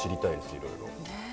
いろいろ。